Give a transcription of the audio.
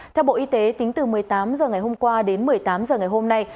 theo bộ y tế tính từ một mươi tám h ngày hôm qua đến một mươi tám h ngày hôm nay